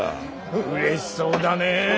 うれしそうだねえ。